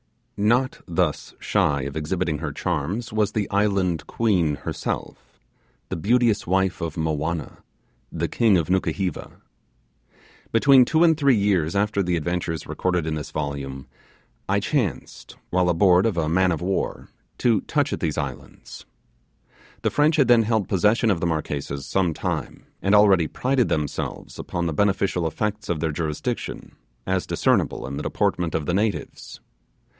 Not thus shy of exhibiting her charms was the Island Queen herself, the beauteous wife of Movianna, the king of Nukuheva. Between two and three years after the adventures recorded in this volume, I chanced, while aboard of a man of war to touch at these islands. The French had then held possession of the Marquesas some time, and already prided themselves upon the beneficial effects of their jurisdiction, as discernible in the deportment of the natives.